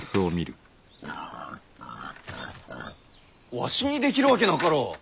わしにできるわけなかろう。